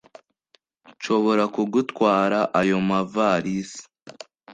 nshobora kugutwara ayo mavalisi